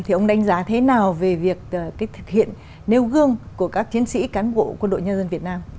thì ông đánh giá thế nào về việc thực hiện nêu gương của các chiến sĩ cán bộ quân đội nhân dân việt nam